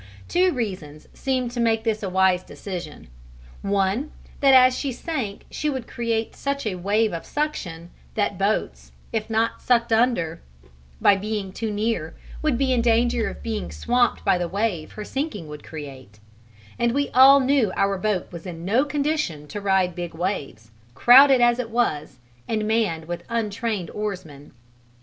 Two reasons seemed to make this a wise decision: one that as she sank she would create such a wave of suction that boats, if not sucked under by being too near, would be in danger of being swamped by the wave her sinking would create and we all knew our boat was in no condition to ride big waves, crowded as it was and manned with untrained oarsmen.